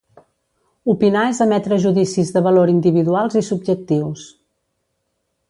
Opinar és emetre judicis de valor individuals i subjectius.